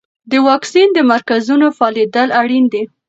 د واکسین د مرکزونو فعالیدل اړین دي.